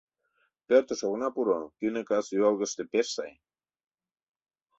Пӧртыш огына пуро; тӱнӧ, кас юалгыште пеш сай.